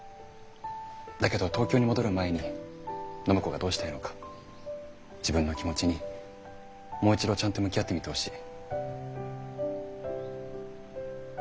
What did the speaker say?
だけど東京に戻る前に暢子がどうしたいのか自分の気持ちにもう一度ちゃんと向き合ってみてほしい。